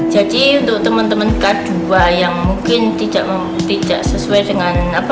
jadi untuk teman teman k dua yang mungkin tidak sesuai dengan apa